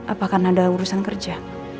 apakah ada urusan kerja